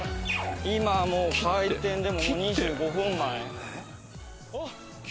今もう開店２５分前。